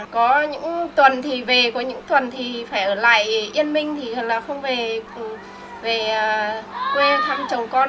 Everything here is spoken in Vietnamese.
có những tuần thì về có những tuần thì phải ở lại yên minh thì là không về quê thăm chồng con